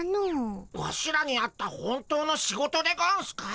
ワシらにあった本当の仕事でゴンスか？